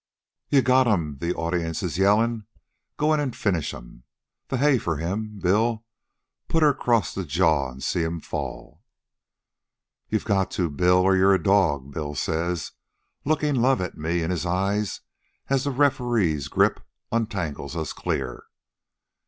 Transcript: "'You got 'm!' the audience is yellin'. 'Go in an' finish 'm!' 'The hay for him, Bill; put her across to the jaw an' see 'm fall!' "'You got to, Bill, or you're a dog,' Bill says, lookin' love at me in his eyes as the referee's grip untangles us clear.